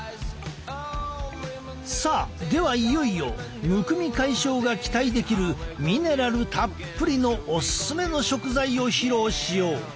さあではいよいよむくみ解消が期待できるミネラルたっぷりのオススメの食材を披露しよう！